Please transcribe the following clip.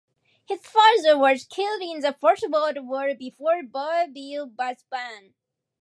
His father was killed in the First World War before Bourvil was born.